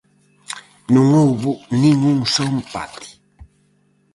Non houbo nin un só empate.